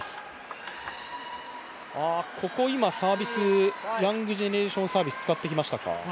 ここ、今、ヤングジェネレーションサービス使ってきましたか？